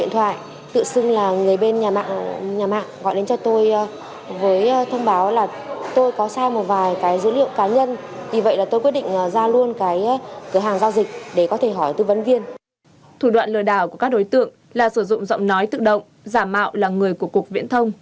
thủ đoạn lừa đảo của các đối tượng là sử dụng giọng nói tự động giả mạo là người của cục viễn thông